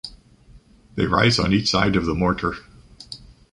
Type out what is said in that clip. They rise on each side of the mortar.